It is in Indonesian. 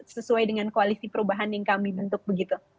sesuai dengan koalisi perubahan yang kami bentuk begitu